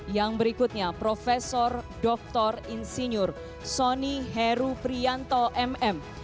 yang berikutnya profesor dr insinyur soni heru prianto mm